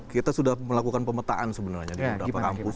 kita sudah melakukan pemetaan sebenarnya di beberapa kampus